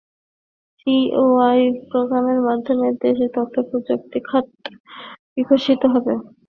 CEO outreach প্রোগ্রামের মাধ্যমে দেশের তথ্যপ্রযুক্তি খাত আরও বিকশিত হবে।